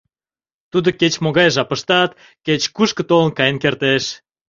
Тудо кеч-могай жапыштат кеч-кушко толын-каен кертеш.